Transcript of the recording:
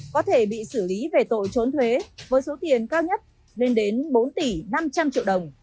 có thể bị xử lý về tội trốn thuế với số tiền cao nhất lên đến bốn tỷ năm trăm linh triệu đồng